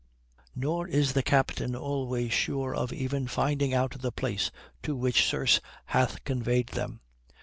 Nor is the captain always sure of even finding out the place to which Circe hath conveyed them.